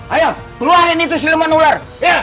ayo keluarin itu silman ular